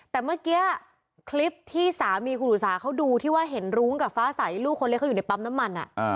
แต่เมื่อกี้คลิปที่สามีคุณอุตสาเขาดูที่ว่าเห็นรุ้งกับฟ้าใสลูกคนเล็กเขาอยู่ในปั๊มน้ำมัน